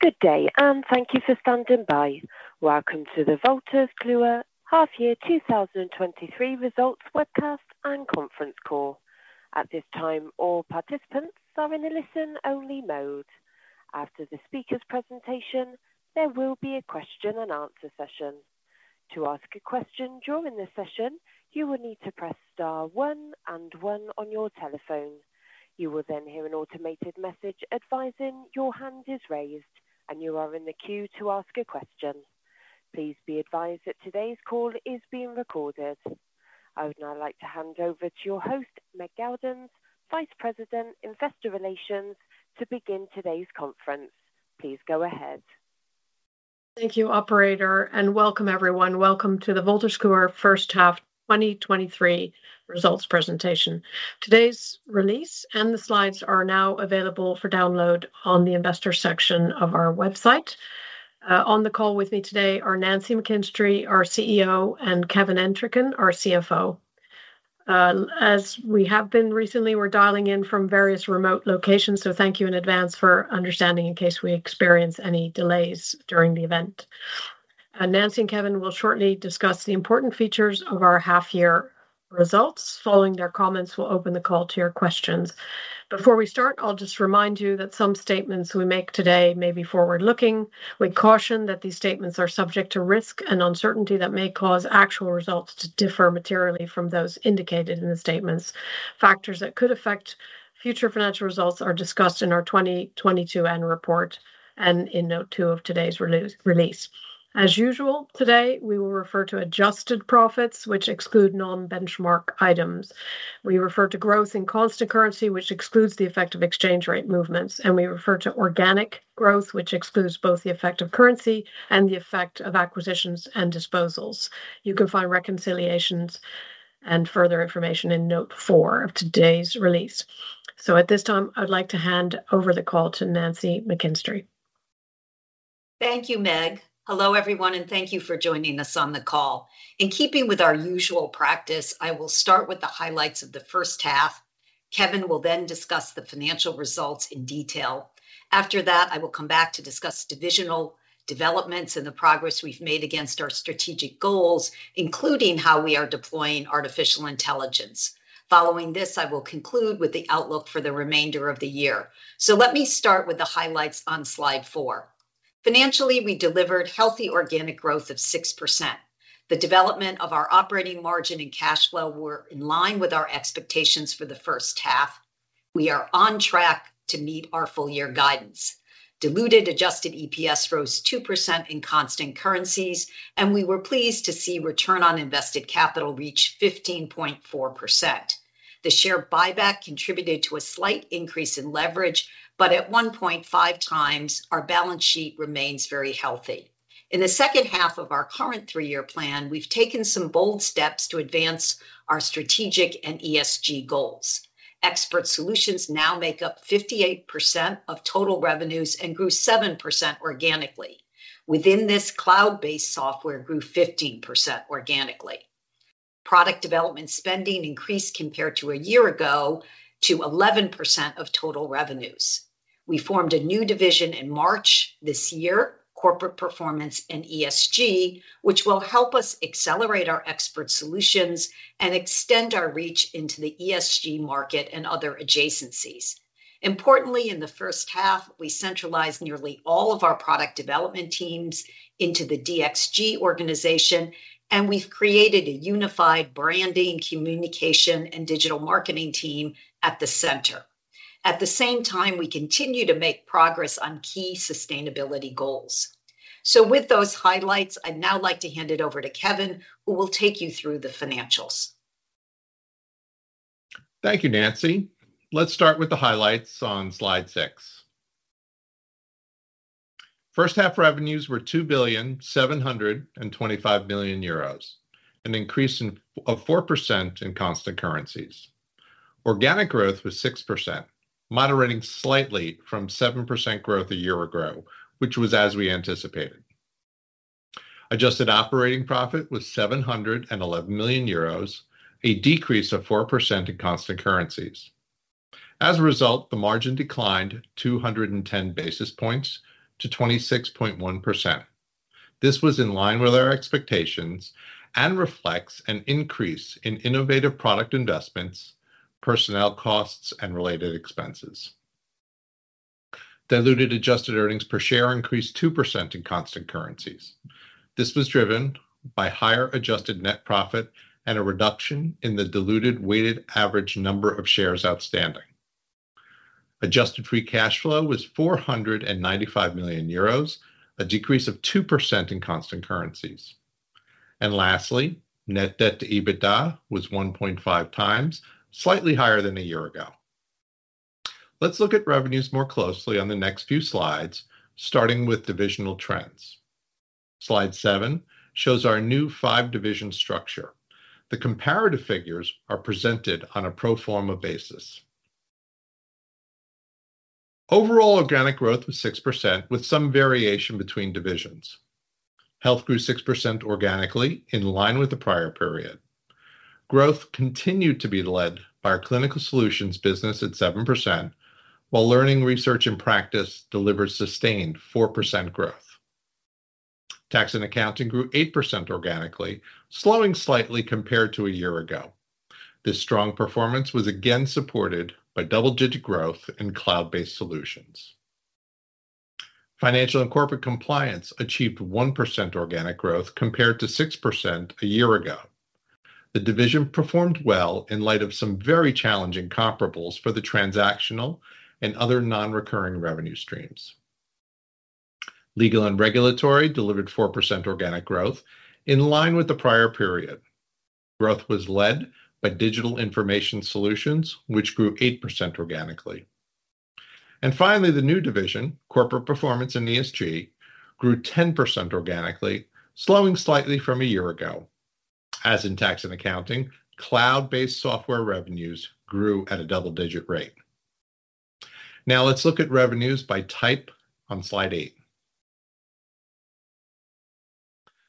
Good day, and thank you for standing by. Welcome to the Wolters Kluwer Half Year 2023 Results Webcast and Conference Call. At this time, all participants are in a listen-only mode. After the speaker's presentation, there will be a question and answer session. To ask a question during the session, you will need to press star one and one on your telephone. You will then hear an automated message advising your hand is raised, and you are in the queue to ask a question. Please be advised that today's call is being recorded. I would now like to hand over to your host, Meg Geldens, Vice President, Investor Relations, to begin today's conference. Please go ahead. Thank you, operator. Welcome everyone. Welcome to the Wolters Kluwer first half 2023 results presentation. Today's release and the slides are now available for download on the investor section of our website. On the call with me today are Nancy McKinstry, our CEO, and Kevin Entricken, our CFO. As we have been recently, we're dialing in from various remote locations, so thank you in advance for understanding in case we experience any delays during the event. Nancy and Kevin will shortly discuss the important features of our half-year results. Following their comments, we'll open the call to your questions. Before we start, I'll just remind you that some statements we make today may be forward-looking. We caution that these statements are subject to risk and uncertainty that may cause actual results to differ materially from those indicated in the statements. Factors that could affect future financial results are discussed in our 2022 annual report and in note two of today's release. As usual, today, we will refer to adjusted profits, which exclude non-benchmark items. We refer to growth in constant currency, which excludes the effect of exchange rate movements, and we refer to organic growth, which excludes both the effect of currency and the effect of acquisitions and disposals. You can find reconciliations and further information in note four of today's release. At this time, I'd like to hand over the call to Nancy McKinstry. Thank you, Meg. Hello, everyone, thank you for joining us on the call. In keeping with our usual practice, I will start with the highlights of the first half. Kevin will discuss the financial results in detail. After that, I will come back to discuss divisional developments and the progress we've made against our strategic goals, including how we are deploying artificial intelligence. Following this, I will conclude with the outlook for the remainder of the year. Let me start with the highlights on Slide Four. Financially, we delivered healthy organic growth of 6%. The development of our operating margin and cash flow were in line with our expectations for the first half. We are on track to meet our full year guidance. Diluted adjusted EPS rose 2% in constant currencies, and we were pleased to see return on invested capital reach 15.4%. The share buyback contributed to a slight increase in leverage, but at 1.5x, our balance sheet remains very healthy. In the second half of our current three-year plan, we've taken some bold steps to advance our strategic and ESG goals. Expert solutions now make up 58% of total revenues and grew 7% organically. Within this, cloud-based software grew 15% organically. Product development spending increased compared to a year ago to 11% of total revenues. We formed a new division in March this year, Corporate Performance & ESG, which will help us accelerate our expert solutions and extend our reach into the ESG market and other adjacencies. Importantly, in the first half, we centralized nearly all of our product development teams into the DXG organization, and we've created a unified branding, communication, and digital marketing team at the center. At the same time, we continue to make progress on key sustainability goals. With those highlights, I'd now like to hand it over to Kevin, who will take you through the financials. Thank you, Nancy. Let's start with the highlights on Slide Six. First half revenues were 2.725 billion, an increase of 4% in constant currencies. Organic growth was 6%, moderating slightly from 7% growth a year ago, which was as we anticipated. Adjusted operating profit was 711 million euros, a decrease of 4% in constant currencies. As a result, the margin declined 210 basis points to 26.1%. This was in line with our expectations and reflects an increase in innovative product investments, personnel costs, and related expenses. Diluted adjusted earnings per share increased 2% in constant currencies. This was driven by higher adjusted net profit and a reduction in the diluted weighted average number of shares outstanding. Adjusted free cash flow was 495 million euros, a decrease of 2% in constant currencies. Lastly, net debt to EBITDA was 1.5x, slightly higher than a year ago. Let's look at revenues more closely on the next few slides, starting with divisional trends. Slide Seven shows our new five-division structure. The comparative figures are presented on a pro forma basis. Overall, organic growth was 6%, with some variation between divisions. Health grew 6% organically, in line with the prior period. Growth continued to be led by our Clinical Solutions business at 7%, while learning, research, and practice delivered sustained 4% growth. Tax and accounting grew 8% organically, slowing slightly compared to a year ago. This strong performance was again supported by double-digit growth in cloud-based solutions. Financial and corporate compliance achieved 1% organic growth, compared to 6% a year ago. The division performed well in light of some very challenging comparables for the transactional and other non-recurring revenue streams. Legal and regulatory delivered 4% organic growth, in line with the prior period. Growth was led by digital information solutions, which grew 8% organically. Finally, the new division, Corporate Performance & ESG, grew 10% organically, slowing slightly from a year ago. As in tax and accounting, cloud-based software revenues grew at a double-digit rate. Now let's look at revenues by type on Slide Eight.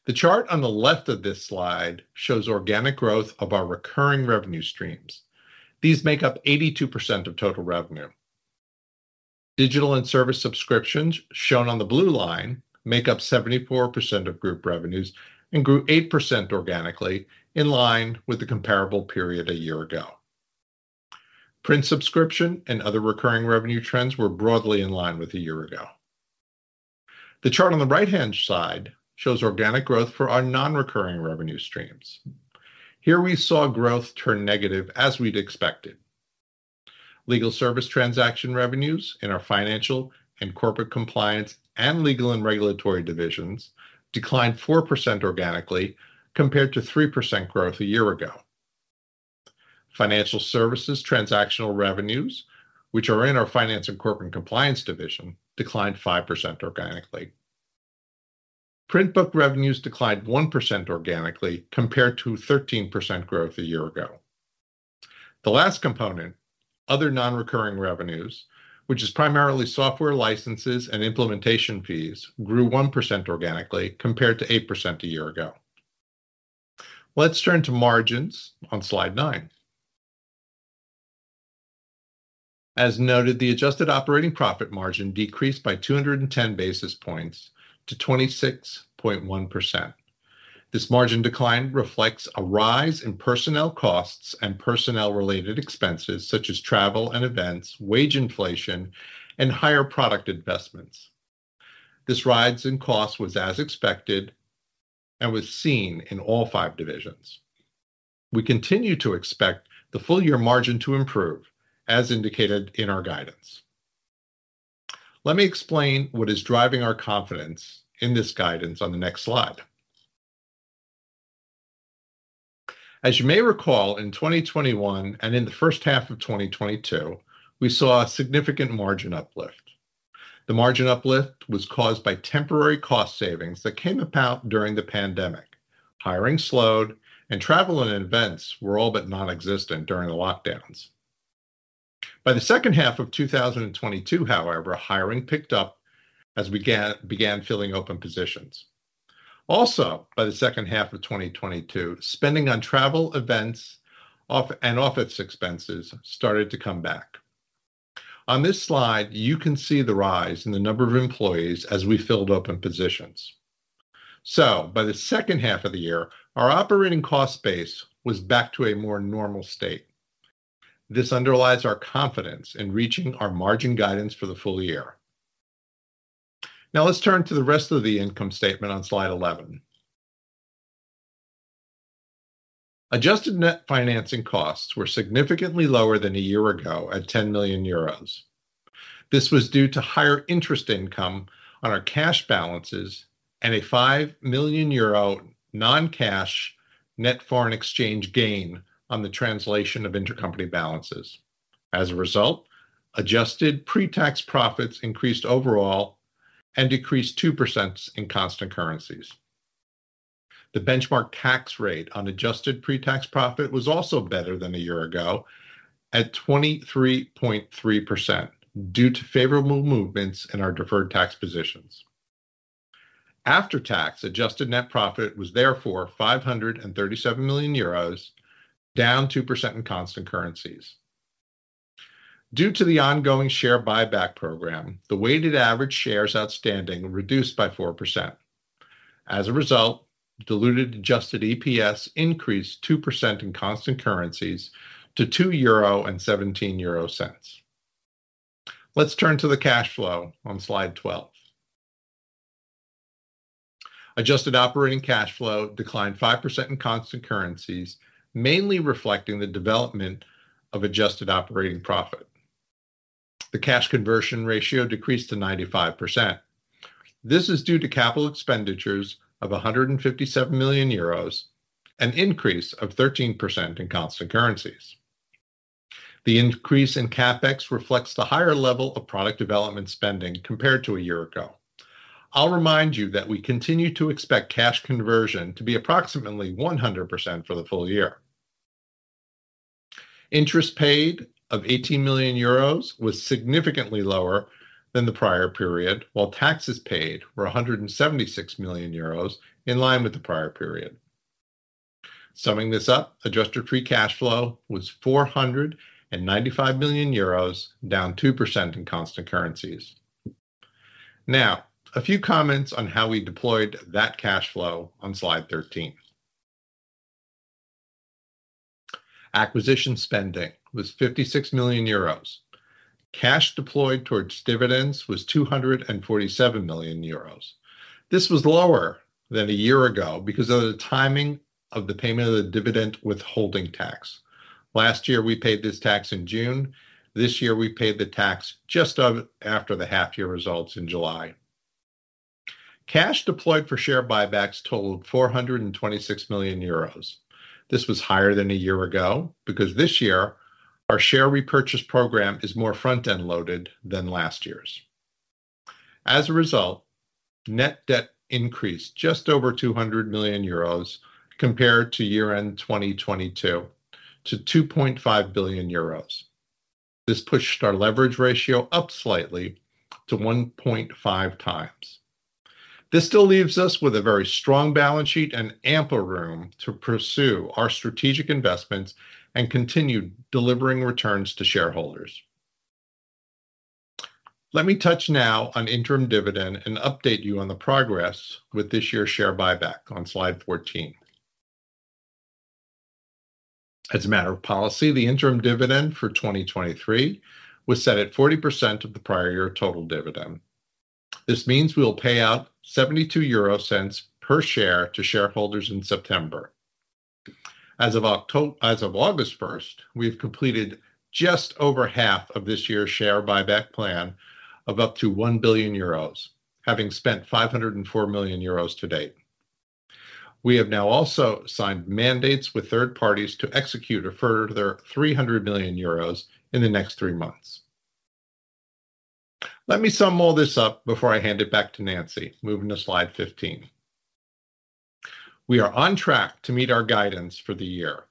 The chart on the left of this slide shows organic growth of our recurring revenue streams. These make up 82% of total revenue. Digital and service subscriptions, shown on the blue line, make up 74% of group revenues and grew 8% organically, in line with the comparable period a year ago. Print subscription and other recurring revenue trends were broadly in line with a year ago. The chart on the right-hand side shows organic growth for our non-recurring revenue streams. Here we saw growth turn negative, as we'd expected. Legal service transaction revenues in our financial and corporate compliance and legal and regulatory divisions declined 4% organically, compared to 3% growth a year ago. Financial services transactional revenues, which are in our finance and corporate compliance division, declined 5% organically. Print book revenues declined 1% organically, compared to 13% growth a year ago. The last component, other non-recurring revenues, which is primarily software licenses and implementation fees, grew 1% organically, compared to 8% a year ago. Let's turn to margins on Slide Nine. As noted, the adjusted operating profit margin decreased by 210 basis points to 26.1%. This margin decline reflects a rise in personnel costs and personnel-related expenses, such as travel and events, wage inflation, and higher product investments. This rise in cost was as expected and was seen in all five divisions. We continue to expect the full year margin to improve, as indicated in our guidance. Let me explain what is driving our confidence in this guidance on the next slide. As you may recall, in 2021 and in the first half of 2022, we saw a significant margin uplift. The margin uplift was caused by temporary cost savings that came about during the pandemic. Hiring slowed, travel and events were all but nonexistent during the lockdowns. By the second half of 2022, however, hiring picked up as we began filling open positions. By the second half of 2022, spending on travel, events, and office expenses started to come back. On this slide, you can see the rise in the number of employees as we filled open positions. By the second half of the year, our operating cost base was back to a more normal state. This underlies our confidence in reaching our margin guidance for the full year. Let's turn to the rest of the income statement on Slide 11. Adjusted net financing costs were significantly lower than a year ago at 10 million euros. This was due to higher interest income on our cash balances and a 5 million euro non-cash net foreign exchange gain on the translation of intercompany balances. As a result, adjusted pre-tax profits increased overall and decreased 2% in constant currencies. The benchmark tax rate on adjusted pre-tax profit was also better than a year ago, at 23.3%, due to favorable movements in our deferred tax positions. After tax, adjusted net profit was therefore 537 million euros, down 2% in constant currencies. Due to the ongoing share buyback program, the weighted average shares outstanding reduced by 4%. As a result, diluted adjusted EPS increased 2% in constant currencies to 2.17 euro. Let's turn to the cash flow on Slide 12. Adjusted operating cash flow declined 5% in constant currencies, mainly reflecting the development of adjusted operating profit. The cash conversion ratio decreased to 95%. This is due to capital expenditures of 157 million euros, an increase of 13% in constant currencies. The increase in CapEx reflects the higher level of product development spending compared to a year ago. I'll remind you that we continue to expect cash conversion to be approximately 100% for the full year. interest paid of 18 million euros was significantly lower than the prior period, while taxes paid were 176 million euros, in line with the prior period. Summing this up, adjusted free cash flow was 495 million euros, down 2% in constant currencies. Now, a few comments on how we deployed that cash flow on Slide 13. Acquisition spending was 56 million euros. Cash deployed towards dividends was 247 million euros. This was lower than a year ago because of the timing of the payment of the dividend withholding tax. Last year, we paid this tax in June. This year, we paid the tax just after the half year results in July. Cash deployed for share buybacks totaled 426 million euros. This was higher than a year ago, because this year, our share repurchase program is more front-end loaded than last year's. As a result, net debt increased just over 200 million euros compared to year-end 2022, to 2.5 billion euros. This pushed our leverage ratio up slightly to 1.5x. This still leaves us with a very strong balance sheet and ample room to pursue our strategic investments and continue delivering returns to shareholders. Let me touch now on interim dividend and update you on the progress with this year's share buyback on Slide 14. As a matter of policy, the interim dividend for 2023 was set at 40% of the prior year total dividend. This means we will pay out 0.72 per share to shareholders in September. As of August 1st, we have completed just over half of this year's share buyback plan of up to 1 billion euros, having spent 504 million euros to date. We have now also signed mandates with third parties to execute a further 300 million euros in the next three months. Let me sum all this up before I hand it back to Nancy. Moving to Slide 15. We are on track to meet our guidance for the year.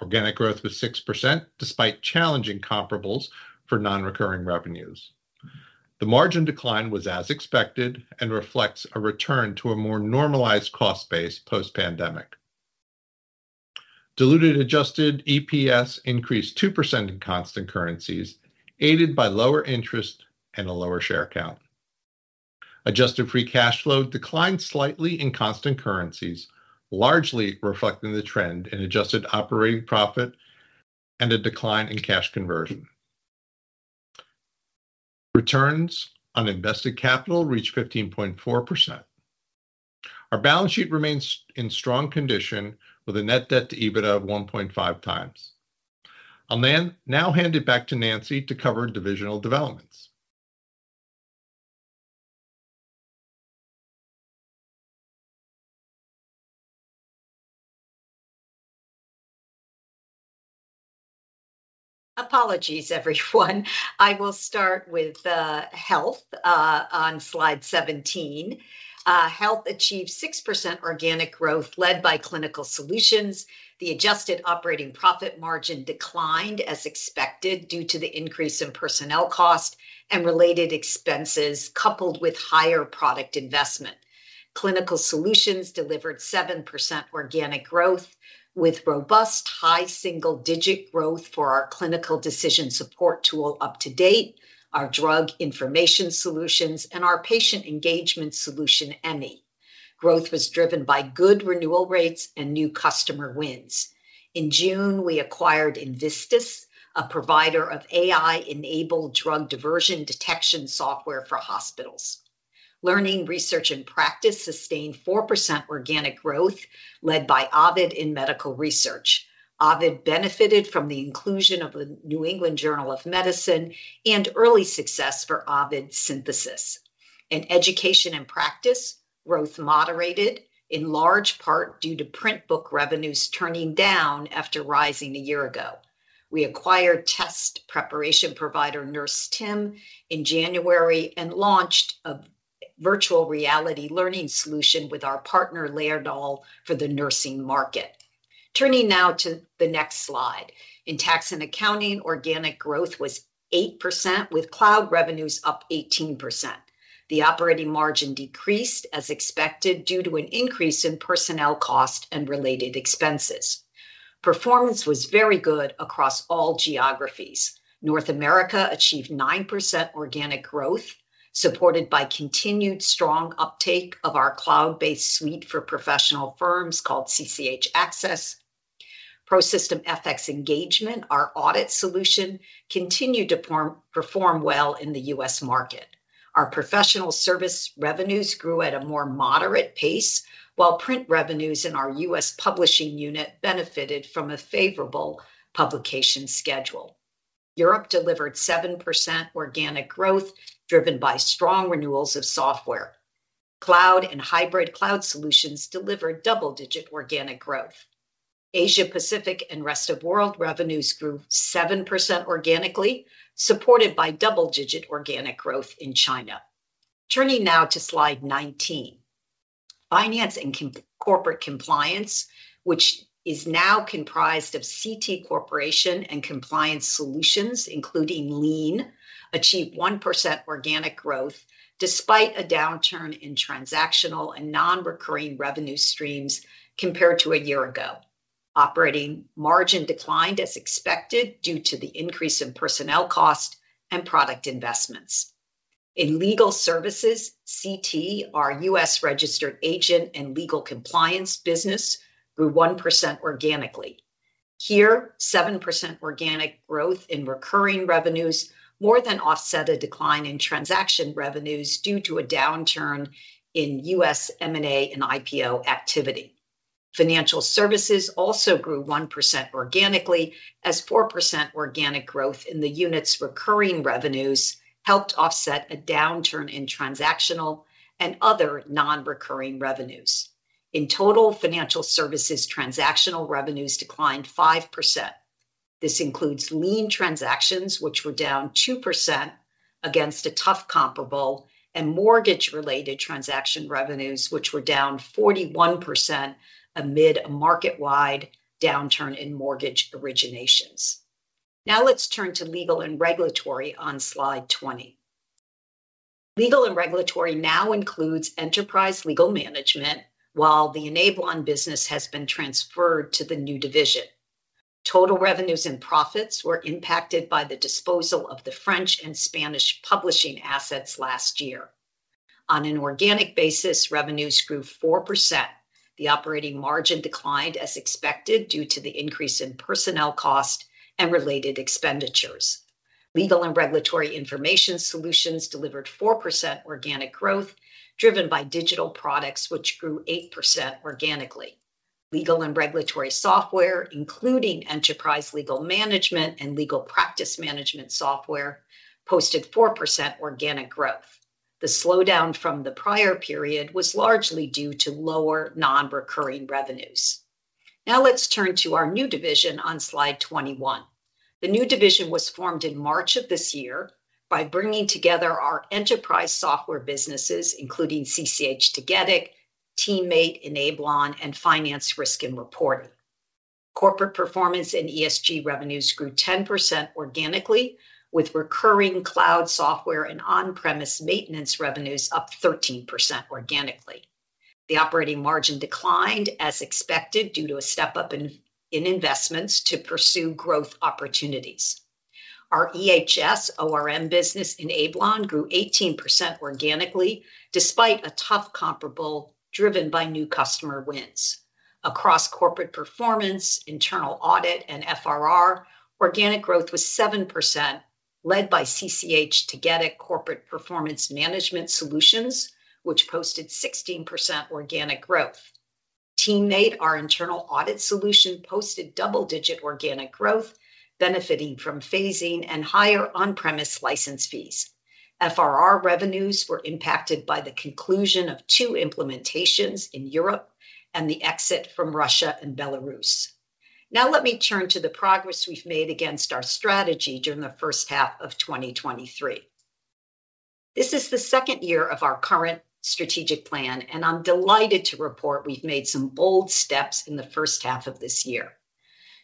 Organic growth was 6%, despite challenging comparables for non-recurring revenues. The margin decline was as expected and reflects a return to a more normalized cost base post-pandemic. Diluted adjusted EPS increased 2% in constant currencies, aided by lower interest and a lower share count. Adjusted free cash flow declined slightly in constant currencies, largely reflecting the trend in adjusted operating profit and a decline in cash conversion. Returns on invested capital reached 15.4%. Our balance sheet remains in strong condition, with a net debt to EBITDA of 1.5x. I'll then now hand it back to Nancy to cover divisional developments. Apologies, everyone. I will start with health on Slide 17. Health achieved 6% organic growth, led by Clinical Solutions. The adjusted operating profit margin declined as expected, due to the increase in personnel cost and related expenses, coupled with higher product investment. Clinical Solutions delivered 7% organic growth, with robust high single digit growth for our clinical decision support tool UpToDate, our drug information solutions, and our patient engagement solution, Emmi. Growth was driven by good renewal rates and new customer wins. In June, we acquired Invistics, a provider of AI-enabled drug diversion detection software for hospitals. Learning, research, and practice sustained 4% organic growth, led by Ovid in medical research. Ovid benefited from the inclusion of The New England Journal of Medicine and early success for Ovid Synthesis. In education and practice, growth moderated, in large part due to print book revenues turning down after rising a year ago. We acquired test preparation provider NurseTim in January and launched a virtual reality learning solution with our partner, Laerdal, for the nursing market. Turning now to the next slide. In tax and accounting, organic growth was 8%, with cloud revenues up 18%. The operating margin decreased as expected, due to an increase in personnel cost and related expenses. Performance was very good across all geographies. North America achieved 9% organic growth, supported by continued strong uptake of our cloud-based suite for professional firms called CCH Axcess. ProSystem fx Engagement, our audit solution, continued to perform well in the U.S. market. Our professional service revenues grew at a more moderate pace, while print revenues in our U.S. publishing unit benefited from a favorable publication schedule. Europe delivered 7% organic growth, driven by strong renewals of software. Cloud and hybrid cloud solutions delivered double-digit organic growth. Asia Pacific and rest of world revenues grew 7% organically, supported by double-digit organic growth in China. Turning now to Slide 19. Finance and Corporate Compliance, which is now comprised of CT Corporation and Compliance Solutions, including lien, achieved 1% organic growth, despite a downturn in transactional and non-recurring revenue streams compared to a year ago. Operating margin declined as expected, due to the increase in personnel cost and product investments. In legal services, CT, our U.S. registered agent and legal compliance business, grew 1% organically. Here, 7% organic growth in recurring revenues more than offset a decline in transaction revenues due to a downturn in U.S. M&A and IPO activity. Financial services also grew 1% organically, as 4% organic growth in the unit's recurring revenues helped offset a downturn in transactional and other non-recurring revenues. In total, financial services transactional revenues declined 5%. This includes lien transactions, which were down 2% against a tough comparable, and mortgage-related transaction revenues, which were down 41% amid a market-wide downturn in mortgage originations. Now let's turn to legal and regulatory on Slide 20. Legal and regulatory now includes Enterprise Legal Management, while the Enablon business has been transferred to the new division. Total revenues and profits were impacted by the disposal of the French and Spanish publishing assets last year. On an organic basis, revenues grew 4%. The operating margin declined as expected, due to the increase in personnel cost and related expenditures. Legal and regulatory information solutions delivered 4% organic growth, driven by digital products, which grew 8% organically. Legal and regulatory software, including Enterprise Legal Management and legal practice management software, posted 4% organic growth. The slowdown from the prior period was largely due to lower non-recurring revenues. Now let's turn to our new division on Slide 21. The new division was formed in March of this year by bringing together our enterprise software businesses, including CCH Tagetik, TeamMate, Enablon, and Finance Risk and Reporting. Corporate Performance and ESG revenues grew 10% organically, with recurring cloud software and on-premise maintenance revenues up 13% organically. The operating margin declined as expected, due to a step up in investments to pursue growth opportunities. Our EHS ORM business, Enablon, grew 18% organically, despite a tough comparable driven by new customer wins. Across corporate performance, internal audit, and FRR, organic growth was 7%, led by CCH Tagetik Corporate Performance Management Solutions, which posted 16% organic growth. TeamMate, our internal audit solution, posted double-digit organic growth, benefiting from phasing and higher on-premise license fees. FRR revenues were impacted by the conclusion of two implementations in Europe and the exit from Russia and Belarus. Let me turn to the progress we've made against our strategy during the first half of 2023. This is the second year of our current strategic plan. I'm delighted to report we've made some bold steps in the first half of this year.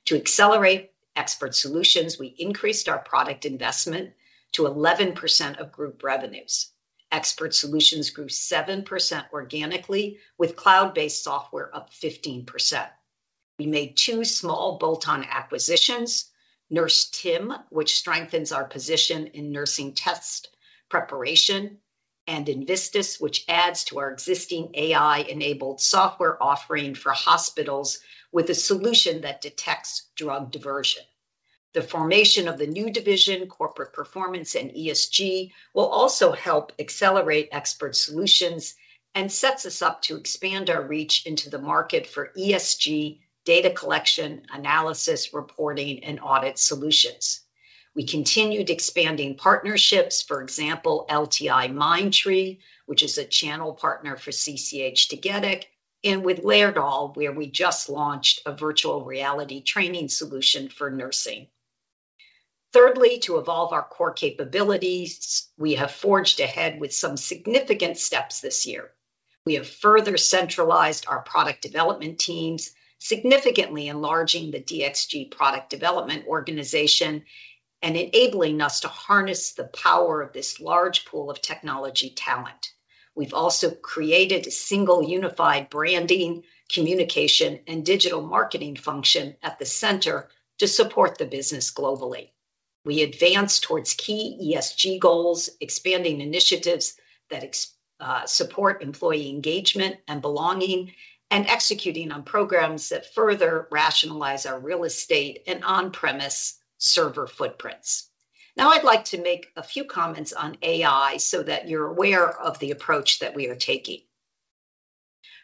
To accelerate expert solutions, we increased our product investment to 11% of group revenues. Expert solutions grew 7% organically, with cloud-based software up 15%. We made two small bolt-on acquisitions: NurseTim, which strengthens our position in nursing test preparation, and Invistics, which adds to our existing AI-enabled software offering for hospitals with a solution that detects drug diversion. The formation of the new division, Corporate Performance & ESG, will also help accelerate expert solutions and sets us up to expand our reach into the market for ESG data collection, analysis, reporting, and audit solutions. We continued expanding partnerships, for example, LTIMindtree, which is a channel partner for CCH Tagetik, and with Laerdal, where we just launched a virtual reality training solution for nursing. Thirdly, to evolve our core capabilities, we have forged ahead with some significant steps this year. We have further centralized our product development teams, significantly enlarging the DXG product development organization and enabling us to harness the power of this large pool of technology talent. We've also created a single unified branding, communication, and digital marketing function at the center to support the business globally. We advanced towards key ESG goals, expanding initiatives that support employee engagement and belonging, and executing on programs that further rationalize our real estate and on-premise server footprints. Now, I'd like to make a few comments on AI so that you're aware of the approach that we are taking.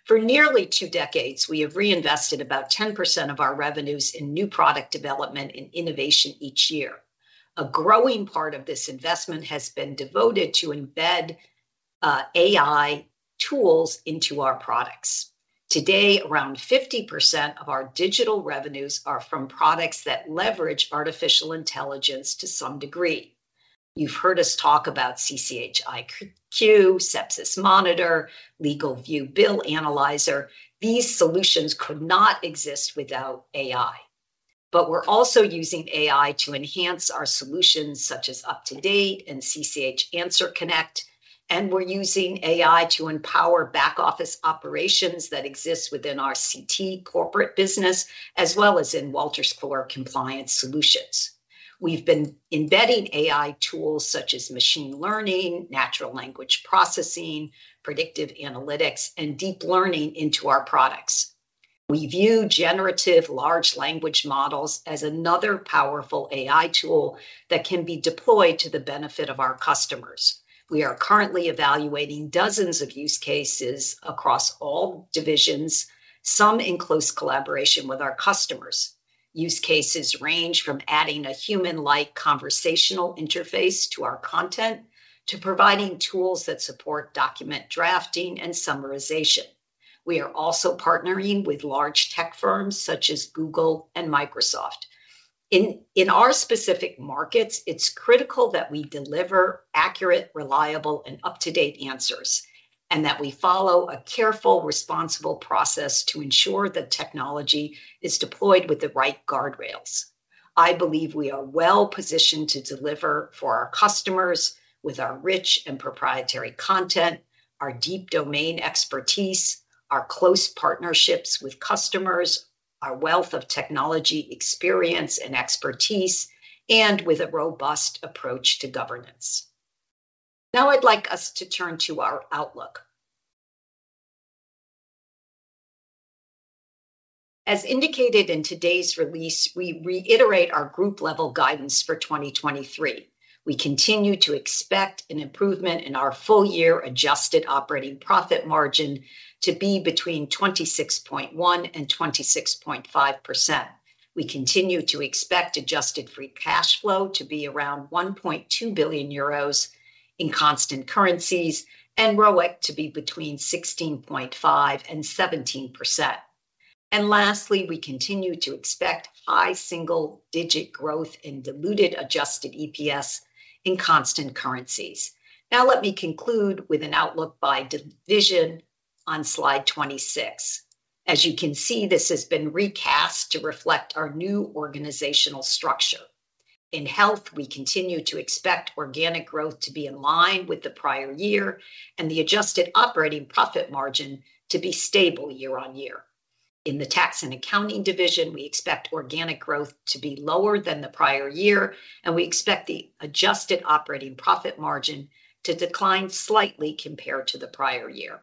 For nearly two decades, we have reinvested about 10% of our revenues in new product development and innovation each year. A growing part of this investment has been devoted to embed AI tools into our products. Today, around 50% of our digital revenues are from products that leverage artificial intelligence to some degree. You've heard us talk about CCH iQ, Sepsis Monitor, LegalVIEW BillAnalyzer. These solutions could not exist without AI. We're also using AI to enhance our solutions, such as UpToDate and CCH AnswerConnect, and we're using AI to empower back office operations that exist within our CT corporate business, as well as in Wolters Kluwer Compliance Solutions. We've been embedding AI tools such as machine learning, natural language processing, predictive analytics, and deep learning into our products. We view generative large language models as another powerful AI tool that can be deployed to the benefit of our customers. We are currently evaluating dozens of use cases across all divisions, some in close collaboration with our customers. Use cases range from adding a human-like conversational interface to our content, to providing tools that support document drafting and summarization. We are also partnering with large tech firms such as Google and Microsoft. In, in our specific markets, it's critical that we deliver accurate, reliable, and up-to-date answers, and that we follow a careful, responsible process to ensure that technology is deployed with the right guardrails. I believe we are well positioned to deliver for our customers with our rich and proprietary content, our deep domain expertise, our close partnerships with customers, our wealth of technology experience and expertise, and with a robust approach to governance. Now, I'd like us to turn to our outlook. As indicated in today's release, we reiterate our group level guidance for 2023. We continue to expect an improvement in our full year adjusted operating profit margin to be between 26.1% and 26.5%. We continue to expect adjusted free cash flow to be around 1.2 billion euros in constant currencies, ROIC to be between 16.5%-17%. Lastly, we continue to expect high single-digit growth in diluted adjusted EPS in constant currencies. Now, let me conclude with an outlook by division on Slide 26. As you can see, this has been recast to reflect our new organizational structure. In health, we continue to expect organic growth to be in line with the prior year and the adjusted operating profit margin to be stable year-on-year. In the tax and accounting division, we expect organic growth to be lower than the prior year, and we expect the adjusted operating profit margin to decline slightly compared to the prior year.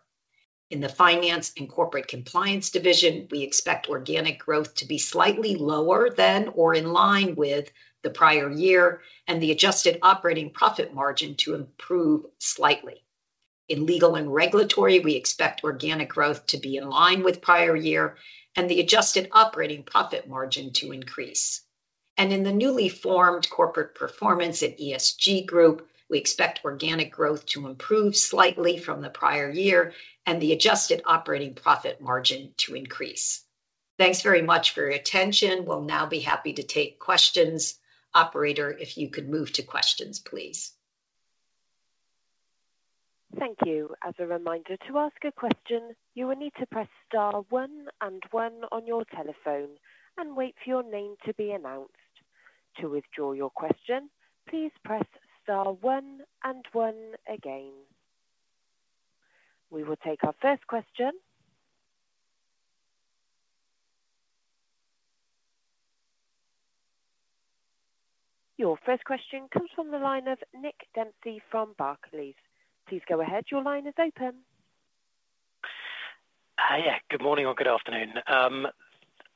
In the finance and corporate compliance division, we expect organic growth to be slightly lower than or in line with the prior year, and the adjusted operating profit margin to improve slightly. In legal and regulatory, we expect organic growth to be in line with prior year, and the adjusted operating profit margin to increase. In the newly formed Corporate Performance & ESG group, we expect organic growth to improve slightly from the prior year, and the adjusted operating profit margin to increase. Thanks very much for your attention. We'll now be happy to take questions. Operator, if you could move to questions, please. Thank you. As a reminder, to ask a question, you will need to press star one and one on your telephone and wait for your name to be announced. To withdraw your question, please press star one and one again. We will take our first question. Your first question comes from the line of Nick Dempsey from Barclays. Please go ahead. Your line is open. Yeah, good morning or good afternoon.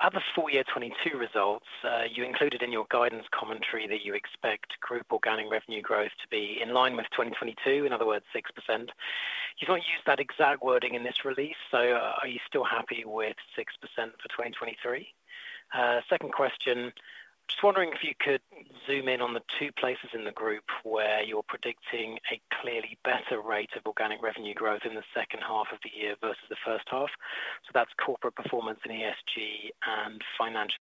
At the full year 2022 results, you included in your guidance commentary that you expect group organic revenue growth to be in line with 2022, in other words, 6%. You've not used that exact wording in this release. Are you still happy with 6% for 2023? Second question, just wondering if you could zoom in on the two places in the group where you're predicting a clearly better rate of organic revenue growth in the second half of the year versus the first half. That's Corporate Performance & ESG and Financial? In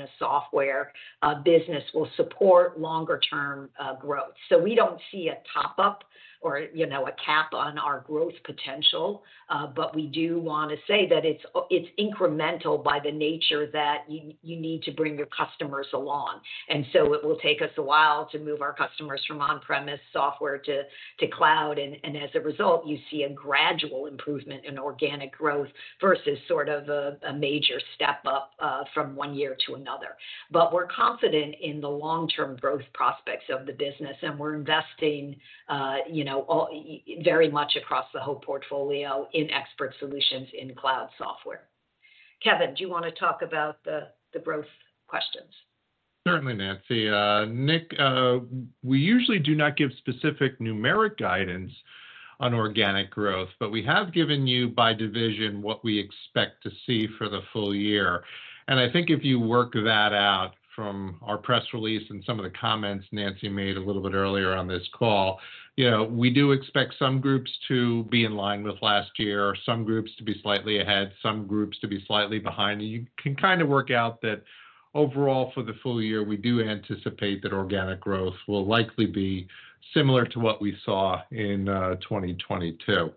a software business will support longer-term growth. We don't see a top up or, you know, a cap on our growth potential. We do want to say that it's, it's incremental by the nature that you, you need to bring your customers along. It will take us a while to move our customers from on-premise software to, to cloud. As a result, you see a gradual improvement in organic growth versus sort of a, a major step up from one year to another. We're confident in the long-term growth prospects of the business, and we're investing very much across the whole portfolio in expert solutions in cloud software. Kevin, do you want to talk about the, the growth questions? Certainly, Nancy. Nick, we usually do not give specific numeric guidance on organic growth, but we have given you, by division, what we expect to see for the full year. And I think if you work that out from our press release and some of the comments Nancy made a little bit earlier on this call, you know, we do expect some groups to be in line with last year, some groups to be slightly ahead, some groups to be slightly behind. You can kind of work out that overall, for the full year, we do anticipate that organic growth will likely be similar to what we saw in 2022.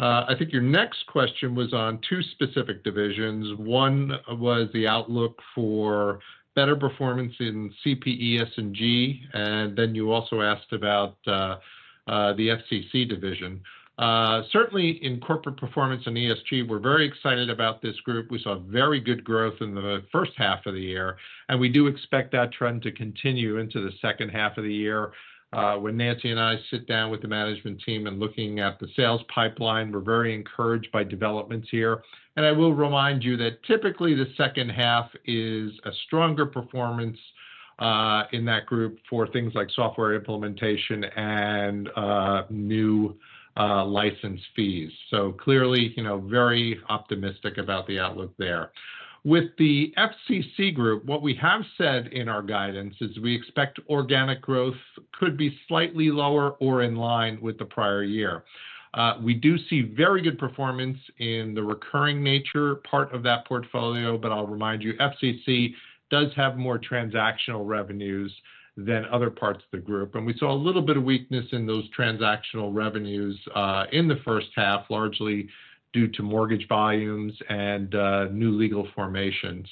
I think your next question was on two specific divisions. One was the outlook for better performance in Corporate Performance & ESG, and then you also asked about the FCC division. Certainly, in Corporate Performance & ESG, we're very excited about this group. We saw very good growth in the first half of the year, and we do expect that trend to continue into the second half of the year. When Nancy and I sit down with the management team and looking at the sales pipeline, we're very encouraged by developments here. I will remind you that typically, the second half is a stronger performance in that group for things like software implementation and new license fees. Clearly, you know, very optimistic about the outlook there. With the FCC group, what we have said in our guidance is we expect organic growth could be slightly lower or in line with the prior year. We do see very good performance in the recurring nature part of that portfolio, but I'll remind you, FCC does have more transactional revenues than other parts of the group, and we saw a little bit of weakness in those transactional revenues in the first half, largely due to mortgage volumes and new legal formation.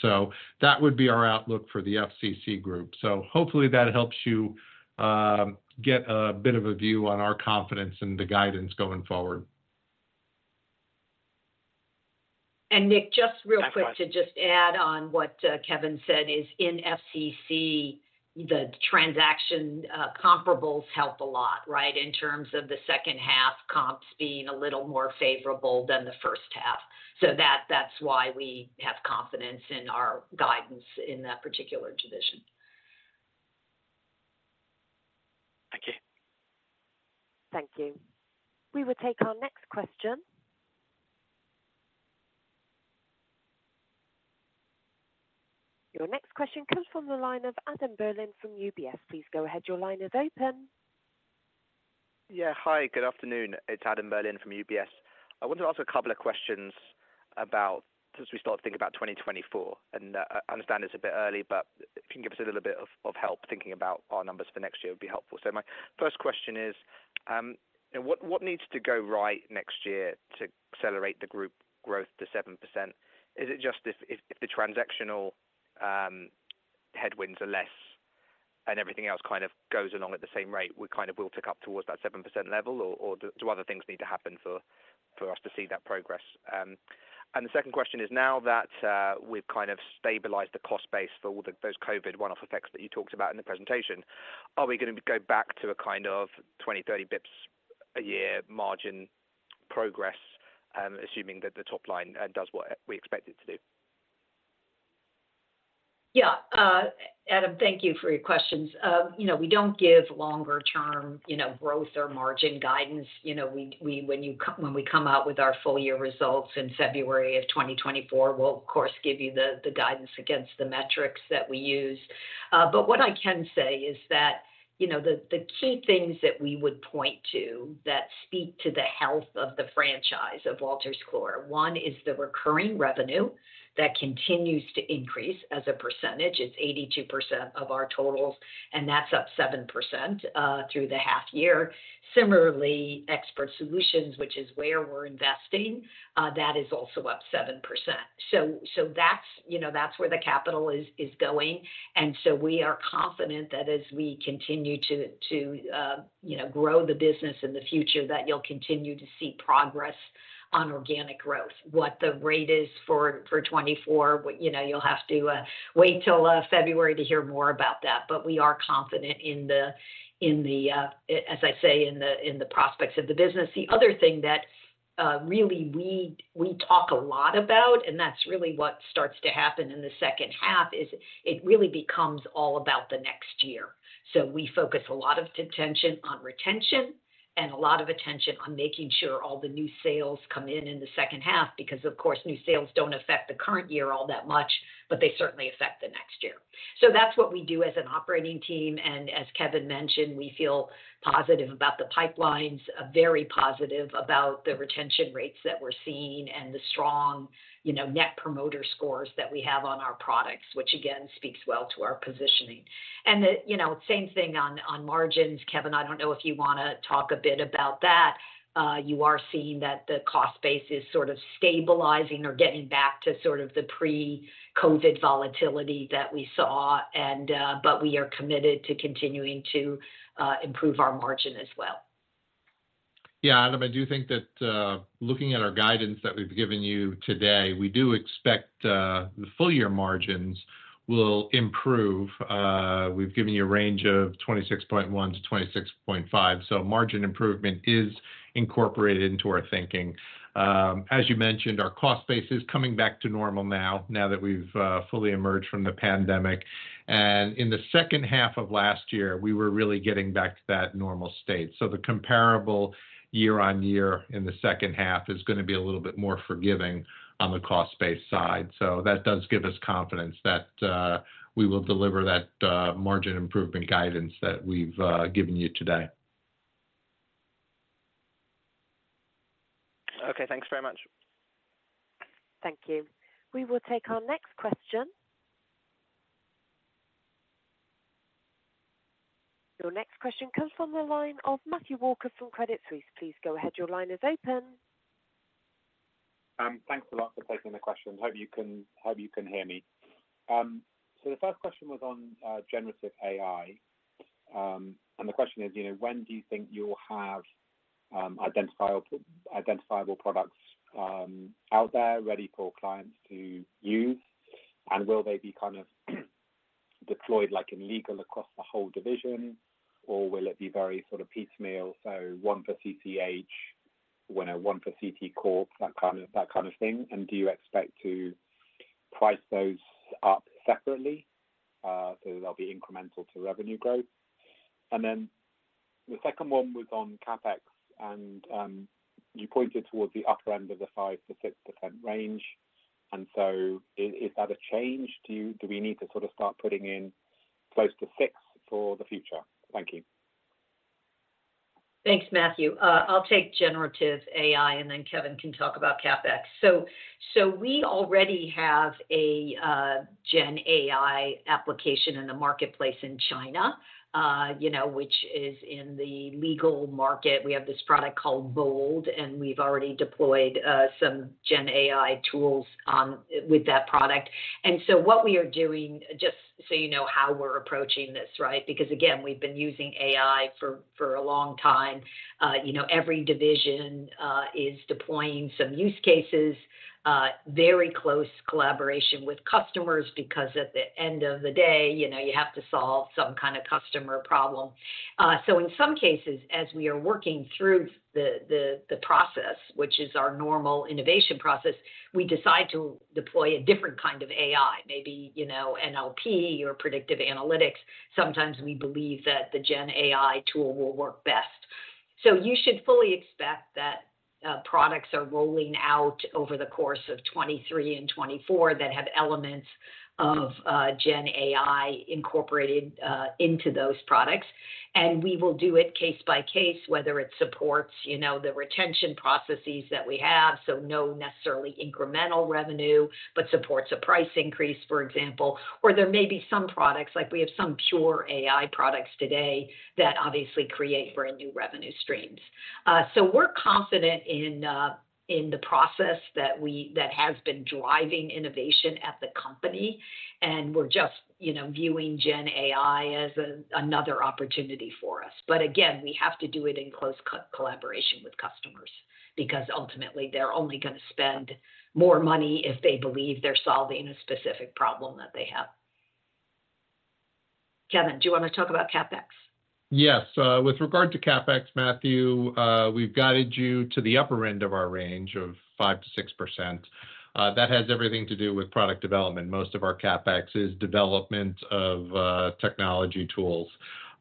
That would be our outlook for the FCC group. Hopefully, that helps you get a bit of a view on our confidence in the guidance going forward. Nick, just real quick, to just add on what Kevin said, is in FCC, the transaction, comparables help a lot, right? In terms of the second half, comps being a little more favorable than the first half. That's why we have confidence in our guidance in that particular division. Thank you. Thank you. We will take our next question. Your next question comes from the line of Adam Berlin from UBS. Please go ahead. Your line is open. Yeah. Hi, good afternoon. It's Adam Berlin from UBS. I want to ask a couple of questions about. Since we start thinking about 2024, I understand it's a bit early, but if you can give us a little bit of help thinking about our numbers for next year, it would be helpful. My first question is, what, what needs to go right next year to accelerate the group growth to 7%? Is it just if, if, if the transactional headwinds are less and everything else kind of goes along at the same rate, we kind of will tick up towards that 7% level or, or do other things need to happen for, for us to see that progress? The second question is, now that we've kind of stabilized the cost base for all those COVID one-off effects that you talked about in the presentation, are we gonna go back to a kind of 20-30 bits a year margin progress, assuming that the top line does what we expect it to do? Yeah, Adam, thank you for your questions. You know, we don't give longer-term, you know, growth or margin guidance. You know, when we come out with our full year results in February of 2024, we'll of course, give you the guidance against the metrics that we use. What I can say is that, you know, the key things that we would point to that speak to the health of the franchise of Wolters Kluwer. One is the recurring revenue that continues to increase as a percentage. It's 82% of our totals, and that's up 7% through the half year. Similarly, expert solutions, which is where we're investing, that is also up 7%. That's, you know, that's where the capital is going. We are confident that as we continue to, you know, grow the business in the future, that you'll continue to see progress on organic growth. What the rate is for 2024, you know, you'll have to wait till February to hear more about that. We are confident in the, as I say, in the prospects of the business. The other thing that really we talk a lot about, and that's really what starts to happen in the second half, is it really becomes all about the next year. We focus a lot of attention on retention. A lot of attention on making sure all the new sales come in in the second half, because, of course, new sales don't affect the current year all that much, but they certainly affect the next year. That's what we do as an operating team, and as Kevin mentioned, we feel positive about the pipelines, very positive about the retention rates that we're seeing and the strong, you know, Net Promoter Scores that we have on our products, which again, speaks well to our positioning. The, you know, same thing on, on margins. Kevin, I don't know if you wanna talk a bit about that. You are seeing that the cost base is sort of stabilizing or getting back to sort of the pre-COVID volatility that we saw, and, but we are committed to continuing to improve our margin as well. Yeah, Adam, I do think that, looking at our guidance that we've given you today, we do expect the full year margins will improve. We've given you a range of 26.1%-26.5%, so margin improvement is incorporated into our thinking. As you mentioned, our cost base is coming back to normal now, now that we've fully emerged from the pandemic. In the second half of last year, we were really getting back to that normal state. The comparable year-on-year in the second half is gonna be a little bit more forgiving on the cost base side. That does give us confidence that we will deliver that margin improvement guidance that we've given you today. Okay, thanks very much. Thank you. We will take our next question. Your next question comes from the line of Matthew Walker from Credit Suisse. Please go ahead. Your line is open. Thanks a lot for taking the question. Hope you can, hope you can hear me. The first question was on generative AI. The question is: you know, when do you think you'll have identifiable, identifiable products out there ready for clients to use? Will they be kind of deployed, like, in legal across the whole division, or will it be very sort of piecemeal, so one for CCH, you know, one for CT Corp, that kind of, that kind of thing? Do you expect to price those up separately, so they'll be incremental to revenue growth? The second one was on CapEx, and you pointed towards the upper end of the 5%-6% range, and so is that a change? Do we need to sort of start putting in close to 6% for the future? Thank you. Thanks, Matthew. I'll take generative AI. Then Kevin can talk about CapEx. We already have a GenAI application in the marketplace in China, you know, which is in the legal market. We have this product called Bold, and we've already deployed some GenAI tools with that product. What we are doing, just so you know how we're approaching this, right? Again, we've been using AI for a long time. You know, every division is deploying some use cases, very close collaboration with customers, because at the end of the day, you know, you have to solve some kind of customer problem. In some cases, as we are working through the, the, the process, which is our normal innovation process, we decide to deploy a different kind of AI, maybe, you know, NLP or predictive analytics. Sometimes we believe that the GenAI tool will work best. You should fully expect that products are rolling out over the course of 2023 and 2024 that have elements of GenAI incorporated into those products. We will do it case by case, whether it supports, you know, the retention processes that we have, so no necessarily incremental revenue, but supports a price increase, for example. There may be some products, like we have some pure AI products today, that obviously create brand new revenue streams. We're confident in the process that has been driving innovation at the company, and we're just, you know, viewing GenAI as another opportunity for us. But again, we have to do it in close co-collaboration with customers, because ultimately they're only gonna spend more money if they believe they're solving a specific problem that they have. Kevin, do you want to talk about CapEx? Yes. With regard to CapEx, Matthew, we've guided you to the upper end of our range of 5%-6%. That has everything to do with product development. Most of our CapEx is development of technology tools.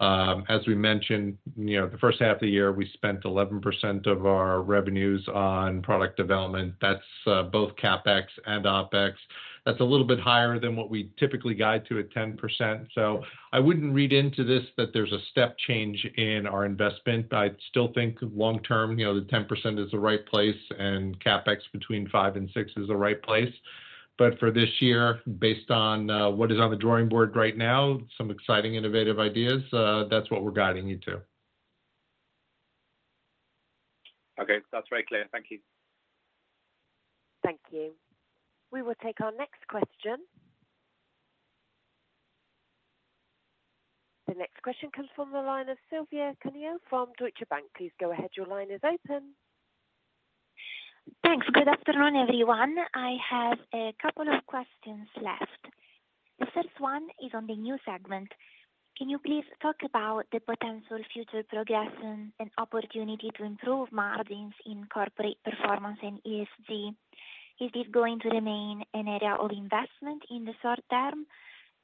As we mentioned, you know, the first half of the year, we spent 11% of our revenues on product development. That's both CapEx and OpEx. That's a little bit higher than what we typically guide to at 10%. I wouldn't read into this that there's a step change in our investment. I still think long term, you know, the 10% is the right place, and CapEx between 5% and 6% is the right place. For this year, based on what is on the drawing board right now, some exciting, innovative ideas, that's what we're guiding you to. Okay, that's very clear. Thank you. Thank you. We will take our next question. The next question comes from the line of Silvia Cuneo from Deutsche Bank. Please go ahead, your line is open. Thanks. Good afternoon, everyone. I have a couple of questions left. The first one is on the new segment. Can you please talk about the potential future progress and, and opportunity to improve margins in Corporate Performance & ESG? Is this going to remain an area of investment in the short term?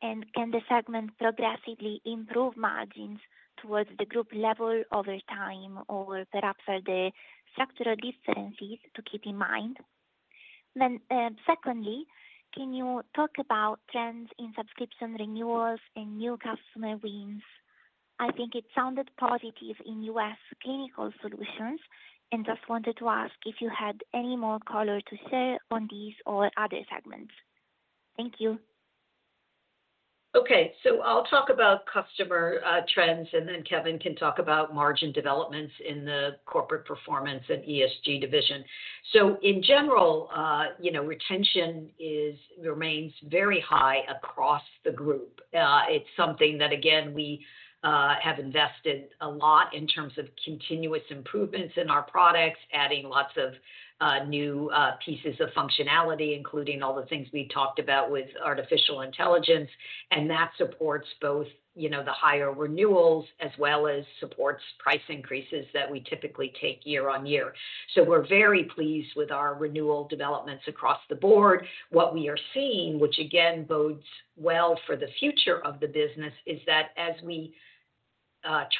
Can the segment progressively improve margins towards the group level over time, or perhaps are there structural differences to keep in mind? Secondly, can you talk about trends in subscription renewals and new customer wins? I think it sounded positive in U.S. Clinical Solutions, and just wanted to ask if you had any more color to share on these or other segments. Thank you. Okay. I'll talk about customer trends, and then Kevin Entricken can talk about margin developments in the Corporate Performance & ESG division. In general, you know, retention remains very high across the group. It's something that, again, we have invested a lot in terms of continuous improvements in our products, adding lots of new pieces of functionality, including all the things we talked about with artificial intelligence. That supports both, you know, the higher renewals as well as supports price increases that we typically take year on year. We're very pleased with our renewal developments across the board. What we are seeing, which again bodes well for the future of the business, is that as we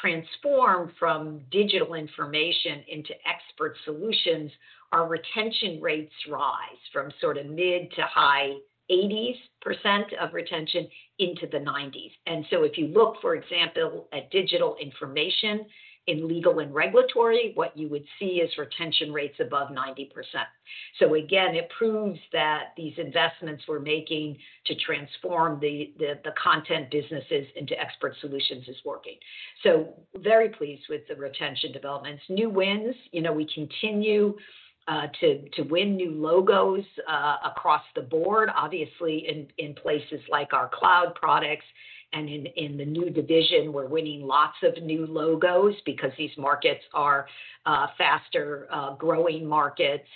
transform from digital information into expert solutions, our retention rates rise from sort of mid to high 80%s of retention into the 90%s. If you look, for example, at digital information in legal and regulatory, what you would see is retention rates above 90%. Again, it proves that these investments we're making to transform the, the, the content businesses into expert solutions is working. Very pleased with the retention developments. New wins, you know, we continue to win new logos across the board. Obviously, in places like our cloud products and in the new division, we're winning lots of new logos because these markets are faster, growing markets.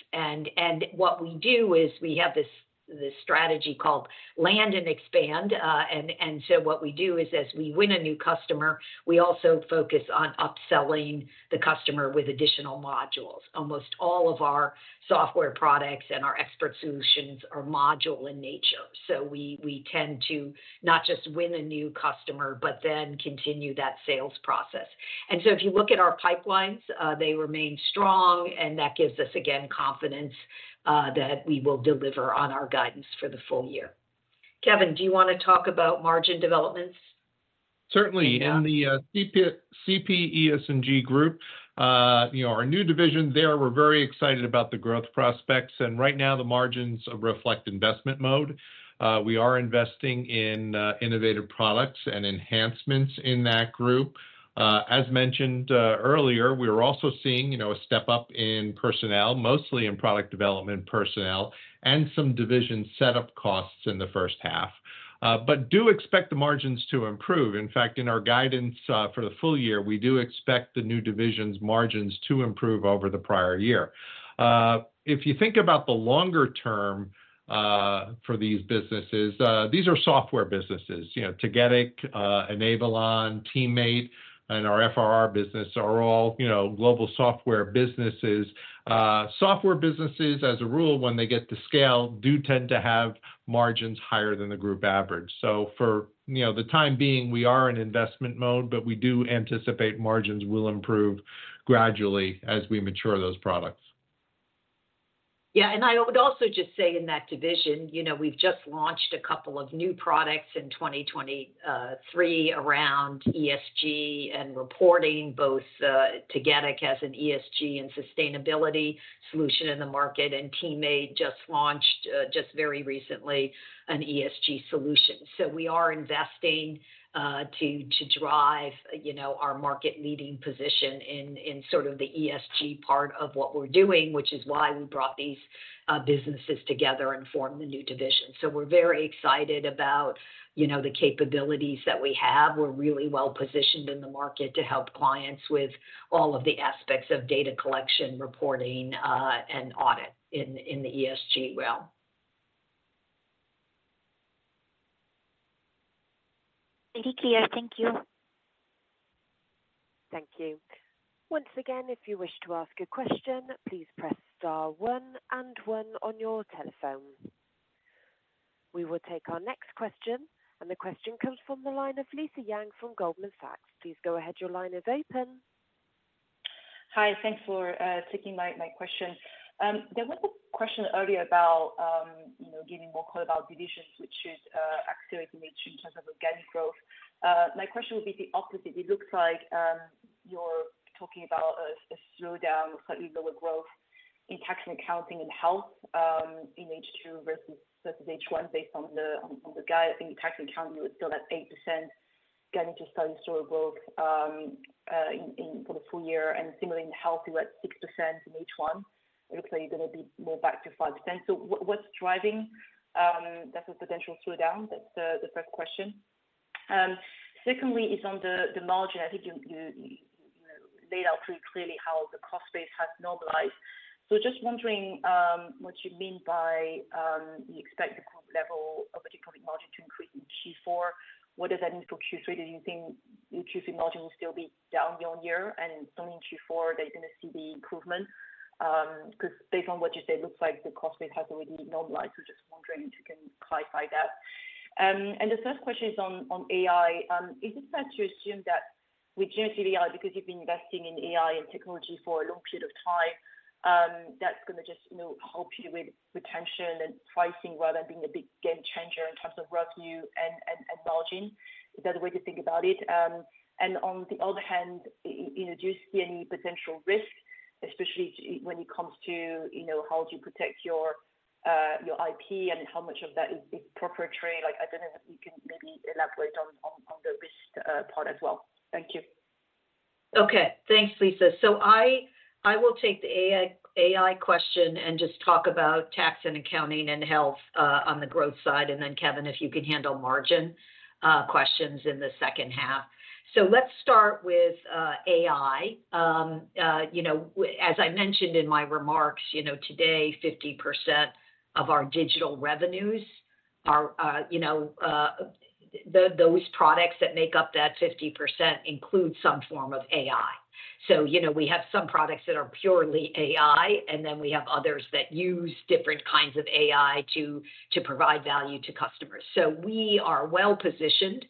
What we do is we have this, this strategy called land and expand, what we do is as we win a new customer, we also focus on upselling the customer with additional modules. Almost all of our software products and our expert solutions are module in nature. We, we tend to not just win a new customer, but then continue that sales process. If you look at our pipelines, they remain strong, and that gives us, again, confidence that we will deliver on our guidance for the full year. Kevin, do you want to talk about margin developments? Certainly. In the Corporate Performance & ESG group, you know, our new division there, we're very excited about the growth prospects, right now the margins reflect investment mode. We are investing in innovative products and enhancements in that group. As mentioned earlier, we are also seeing, you know, a step up in personnel, mostly in product development personnel, and some division setup costs in the first half, do expect the margins to improve. In fact, in our guidance for the full year, we do expect the new divisions margins to improve over the prior year. If you think about the longer term for these businesses, these are software businesses. You know, CCH, Enablon, TeamMate, our FRR business are all, you know, global software businesses. Software businesses, as a rule, when they get to scale, do tend to have margins higher than the group average. For, you know, the time being, we are in investment mode, but we do anticipate margins will improve gradually as we mature those products. Yeah, and I would also just say in that division, you know, we've just launched a couple of new products in 2023 around ESG and reporting, both CCH as an ESG and sustainability solution in the market, and TeamMate just launched just very recently an ESG solution. So we are investing to, to drive, you know, our market-leading position in, in sort of the ESG part of what we're doing, which is why we brought these businesses together and formed the new division. So we're very excited about, you know, the capabilities that we have. We're really well-positioned in the market to help clients with all of the aspects of data collection, reporting, and audit in, in the ESG realm. Very clear. Thank you. Thank you. Once again, if you wish to ask a question, please press star one and one on your telephone. We will take our next question. The question comes from the line of Lisa Yang from Goldman Sachs. Please go ahead. Your line is open. Hi, thanks for taking my question. There was a question earlier about, you know, giving more color about divisions, which is accelerating in terms of organic growth. My question would be the opposite. It looks like you're talking about a slowdown, slightly lower growth in tax and accounting and health in H2 versus H1 based on the guide. I think Tax and Accounting was still at 8%, getting to steady historic growth for the full year and similarly in health, you at 6% in H1. It looks like you're gonna be more back to 5%. What, what's driving that potential slowdown? That's the first question. Secondly, is on the margin. I think you laid out pretty clearly how the cost base has normalized. Just wondering what you mean by you expect your core level of adjusted margin to increase? Q4, what does that mean for Q3? Do you think your Q3 margin will still be down year-on-year, and it's only in Q4 that you're going to see the improvement? Because based on what you said, looks like the cost base has already normalized. Just wondering if you can clarify that. The third question is on AI. Is it fair to assume that with generative AI, because you've been investing in AI and technology for a long period of time, that's gonna just, you know, help you with retention and pricing rather than being a big game changer in terms of revenue and margin? Is that the way to think about it? On the other hand, you know, do you see any potential risk, especially when it comes to, you know, how do you protect your, your IP and how much of that is, is proprietary? Like, I don't know if you can maybe elaborate on, on, on the risk part as well. Thank you. Okay. Thanks, Lisa. I, I will take the AI, AI question and just talk about tax and accounting and health on the growth side, and then, Kevin, if you can handle margin questions in the second half. Let's start with AI. You know, as I mentioned in my remarks, you know, today, 50% of our digital revenues are, you know. Those products that make up that 50% include some form of AI. You know, we have some products that are purely AI, and then we have others that use different kinds of AI to provide value to customers. We are well positioned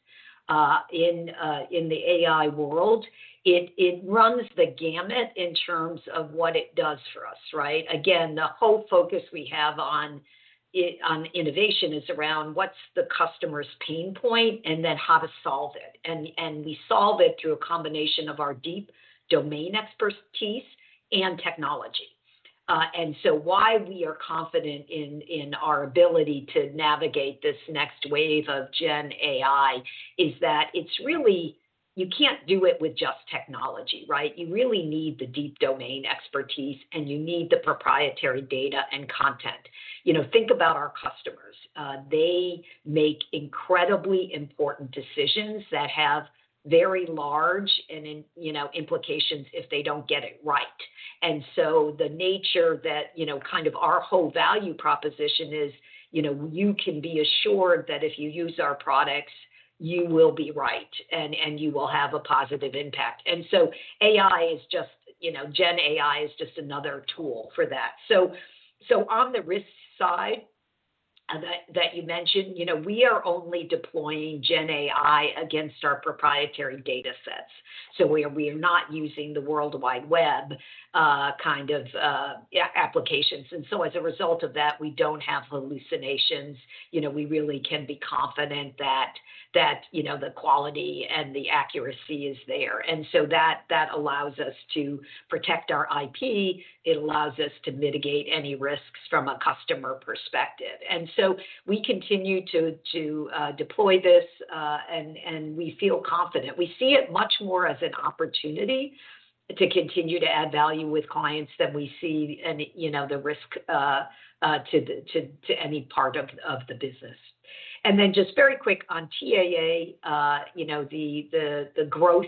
in the AI world. It, it runs the gamut in terms of what it does for us, right? Again, the whole focus we have on innovation is around what's the customer's pain point and then how to solve it, and we solve it through a combination of our deep domain expertise and technology. So why we are confident in our ability to navigate this next wave of GenAI, is that it's really. You can't do it with just technology, right? You really need the deep domain expertise, you need the proprietary data and content. You know, think about our customers. They make incredibly important decisions that have very large, you know, implications if they don't get it right. The nature that, you know, kind of our whole value proposition is, you know, you can be assured that if you use our products, you will be right, and you will have a positive impact. AI is just, you know, GenAI is just another tool for that. So on the risk side, that, that you mentioned, you know, we are only deploying GenAI against our proprietary data sets. We are, we are not using the World Wide Web, kind of, applications. As a result of that, we don't have hallucinations. You know, we really can be confident that, that, you know, the quality and the accuracy is there. That, that allows us to protect our IP. It allows us to mitigate any risks from a customer perspective. We continue to, to, deploy this, and, and we feel confident. We see it much more as an opportunity to continue to add value with clients than we see, and, you know, the risk to any part of the business. Just very quick on TAA, you know, the growth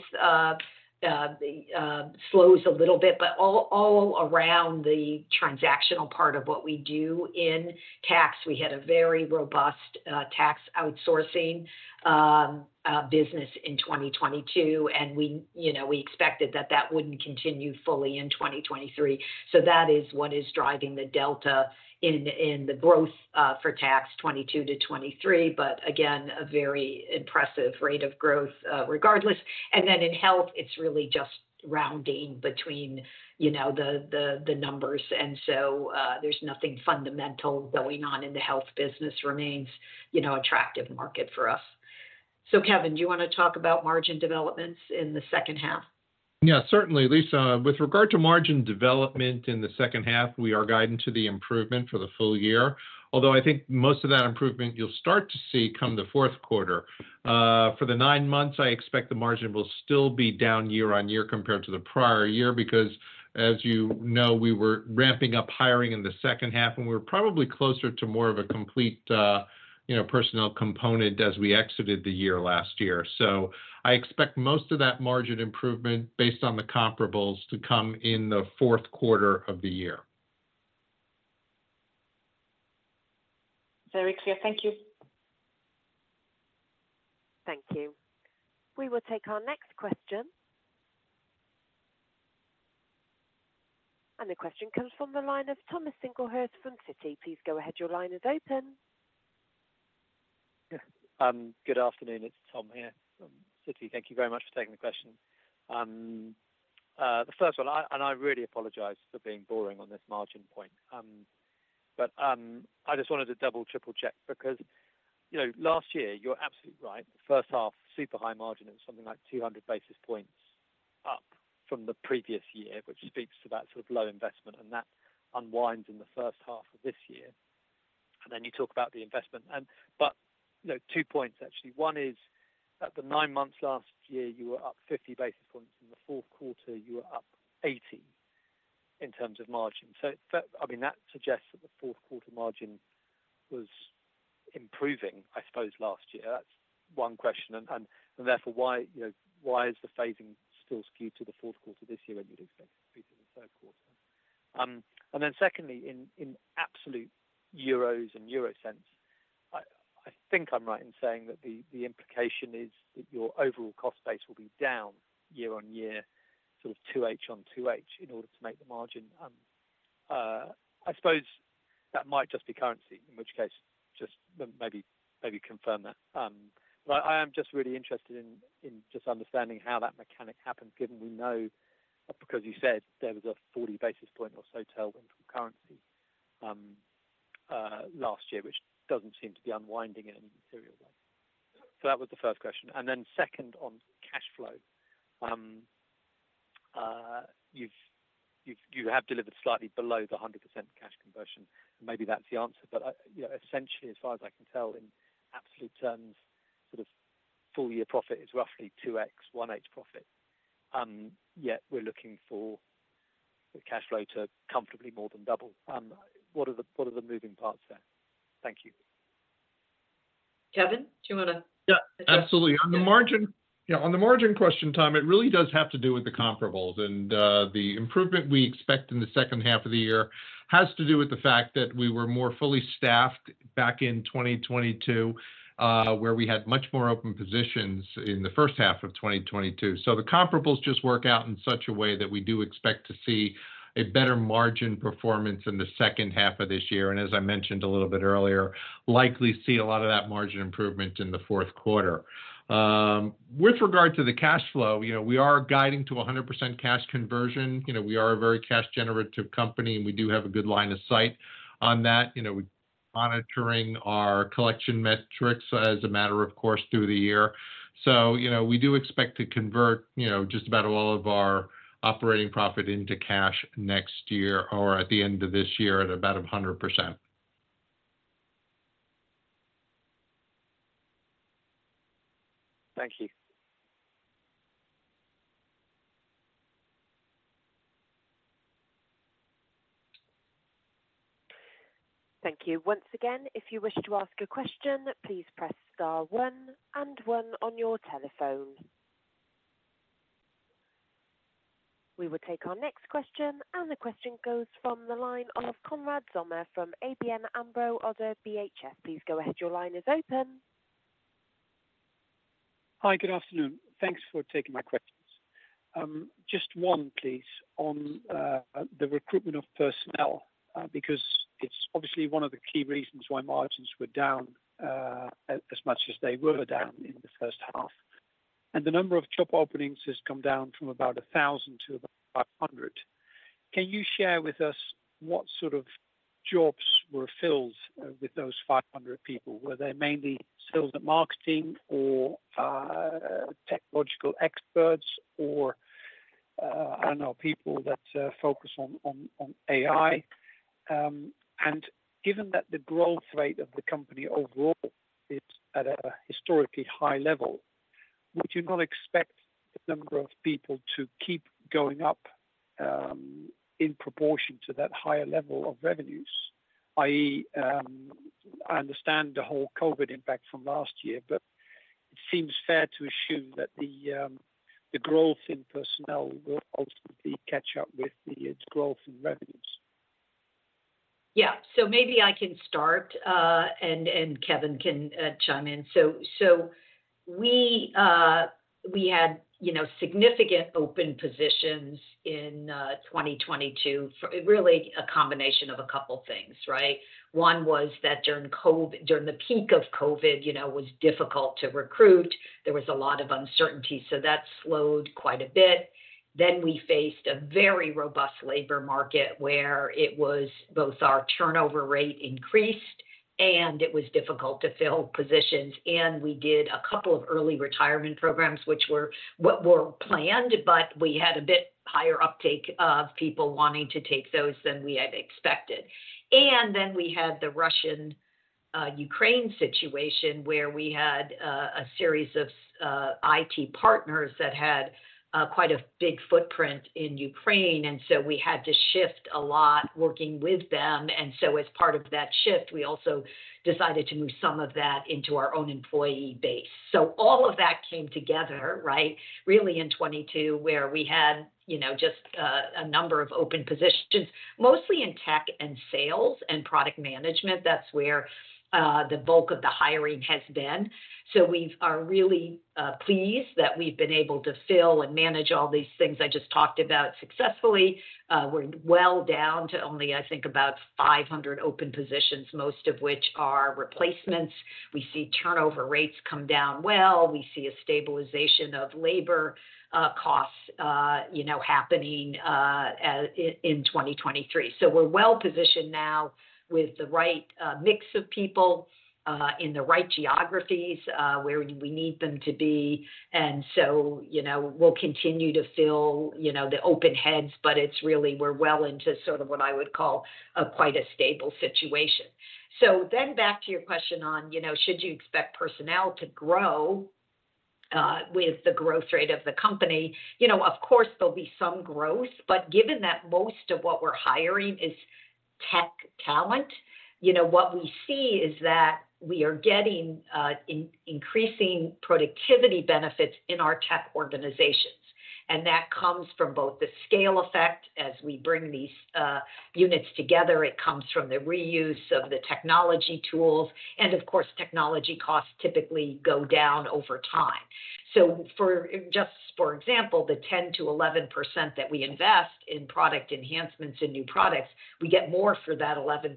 slows a little bit, but all around the transactional part of what we do in tax, we had a very robust tax outsourcing business in 2022, and we, you know, we expected that that wouldn't continue fully in 2023. That is what is driving the delta in the growth for tax 2022 to 2023, but again, a very impressive rate of growth regardless. In health, it's really just rounding between, you know, the numbers. There's nothing fundamental going on in the health business remains, you know, attractive market for us. Kevin, do you wanna talk about margin developments in the second half? Yeah, certainly, Lisa. With regard to margin development in the second half, we are guiding to the improvement for the full year, although I think most of that improvement you'll start to see come the fourth quarter. For the nine months, I expect the margin will still be down year-on-year compared to the prior year, because, as you know, we were ramping up hiring in the second half, and we're probably closer to more of a complete, you know, personnel component as we exited the year last year. I expect most of that margin improvement based on the comparables to come in the fourth quarter of the year. Very clear. Thank you. Thank you. We will take our next question. The question comes from the line of Tom Singlehurst from Citi. Please go ahead. Your line is open. Good afternoon. It's Tom here from Citi. Thank you very much for taking the question. The first one, I really apologize for being boring on this margin point, I just wanted to double, triple-check because, you know, last year, you're absolutely right. First half, super high margin, it was something like 200 basis points up from the previous year, which speaks to that sort of low investment, that unwinds in the first half of this year. Then you talk about the investment and, you know, 2 points, actually. One is, at the nine months last year, you were up 50 basis points. In the fourth quarter, you were up 80 in terms of margin. I mean, that suggests that the fourth quarter margin was improving, I suppose, last year. That's one question, and, and therefore, why, you know, why is the phasing still skewed to the fourth quarter this year when you'd expect it to be in the third quarter? Secondly, in, in absolute euro and euro cents, I, I think I'm right in saying that the, the implication is that your overall cost base will be down year-on-year, sort of 2H on 2H, in order to make the margin. I suppose that might just be currency, in which case, just maybe, maybe confirm that. I, I am just really interested in, in just understanding how that mechanic happened, given we know, because you said there was a 40 basis point or so tailwind from currency last year, which doesn't seem to be unwinding in any material way. That was the first question. Second, on cash flow, you have delivered slightly below the 100% cash conversion, and maybe that's the answer. You know, essentially, as far as I can tell, in absolute terms, sort of full year profit is roughly 2x 1H profit, yet we're looking for the cash flow to comfortably more than double. What are the, what are the moving parts there? Thank you. Kevin, do you wanna- Yeah, absolutely. Yeah. On the margin, Yeah, on the margin question, Tom, it really does have to do with the comparables. The improvement we expect in the second half of the year has to do with the fact that we were more fully staffed back in 2022, where we had much more open positions in the first half of 2022. The comparables just work out in such a way that we do expect to see a better margin performance in the second half of this year, and as I mentioned a little bit earlier, likely see a lot of that margin improvement in the fourth quarter. With regard to the cash flow, you know, we are guiding to a 100% cash conversion. You know, we are a very cash-generative company, and we do have a good line of sight on that. You know, we're monitoring our collection metrics as a matter of course, through the year. You know, we do expect to convert, you know, just about all of our operating profit into cash next year or at the end of this year at about 100%. Thank you. Thank you. Once again, if you wish to ask a question, please press star one and one on your telephone. We will take our next question. The question goes from the line of Konrad Zomer from ABN AMRO ODDO BHF. Please go ahead. Your line is open. Hi, good afternoon. Thanks for taking my questions. Just one, please, on the recruitment of personnel, because it's obviously one of the key reasons why margins were down as much as they were down in the first half. The number of job openings has come down from about 1,000 to about 500. Can you share with us what sort of jobs were filled with those 500 people? Were they mainly sales and marketing or technological experts, or I don't know, people that focus on AI? Given that the growth rate of the company overall is at a historically high level, would you not expect the number of people to keep going up in proportion to that higher level of revenues, i.e., I understand the whole COVID impact from last year, but it seems fair to assume that the growth in personnel will ultimately catch up with the, its growth in revenues. Yeah. Maybe I can start, and Kevin can chime in. We had, you know, significant open positions in 2022. Really a combination of two things, right? One was that during COVID, during the peak of COVID, you know, was difficult to recruit. There was a lot of uncertainty, so that slowed quite a bit. We faced a very robust labor market where it was both our turnover rate increased, and it was difficult to fill positions. We did a couple of early retirement programs, which were what were planned, but we had a bit higher uptake of people wanting to take those than we had expected. We had the Russia-Ukraine situation, where we had a series of IT partners that had quite a big footprint in Ukraine, and so we had to shift a lot working with them. As part of that shift, we also decided to move some of that into our own employee base. All of that came together, right, really in 2022, where we had, you know, just a number of open positions, mostly in tech and sales and product management. That's where the bulk of the hiring has been. We've are really pleased that we've been able to fill and manage all these things I just talked about successfully. We're well down to only, I think, about 500 open positions, most of which are replacements. We see turnover rates come down well. We see a stabilization of labor costs, you know, happening in 2023. We're well-positioned now with the right mix of people in the right geographies where we need them to be. You know, we'll continue to fill, you know, the open heads, but it's really we're well into sort of what I would call a quite stable situation. Back to your question on, you know, should you expect personnel to grow with the growth rate of the company? You know, of course, there'll be some growth, but given that most of what we're hiring is tech talent, you know, what we see is that we are getting increasing productivity benefits in our tech organizations. That comes from both the scale effect as we bring these units together, it comes from the reuse of the technology tools, and of course, technology costs typically go down over time. Just for example, the 10%-11% that we invest in product enhancements and new products, we get more for that 11%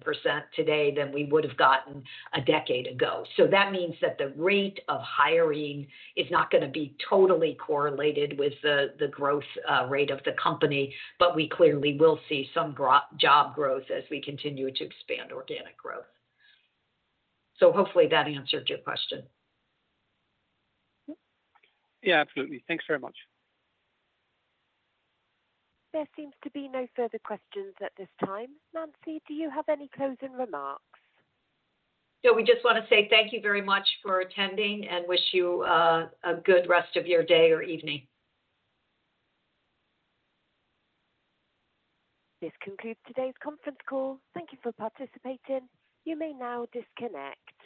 today than we would have gotten 10 years ago. That means that the rate of hiring is not gonna be totally correlated with the, the growth rate of the company, but we clearly will see some job growth as we continue to expand organic growth. Hopefully that answered your question. Yeah, absolutely. Thanks very much. There seems to be no further questions at this time. Nancy, do you have any closing remarks? We just wanna say thank you very much for attending and wish you a good rest of your day or evening. This concludes today's conference call. Thank you for participating. You may now disconnect.